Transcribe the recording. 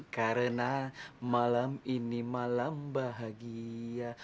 karena malam ini malam bahagia